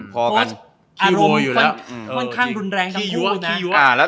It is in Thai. โค้ชอารมณ์ค่อนข้างรุนแรงทั้งคู่นะ